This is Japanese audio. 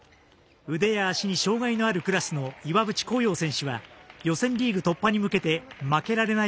腕や足に障がいのあるクラスの岩渕幸洋選手は予選リーグ突破に向けて負けられない